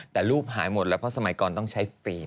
แต่รูปหายหมดแล้วเพราะสมัยก่อนต้องใช้ฟิล์ม